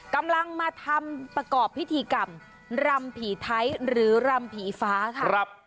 กำลังมาทำประกอบพิธีกรรมรำผีไทยหรือรำผีฟ้าค่ะ